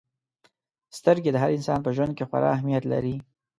• سترګې د هر انسان په ژوند کې خورا اهمیت لري.